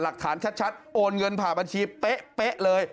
หลักฐานชัดโอนเงินผ่านบัญชีเป๊ะเลย